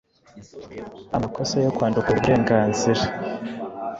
amakosa yo kwandukura uburenganzira